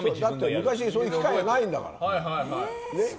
昔はそういう機械がないんだから。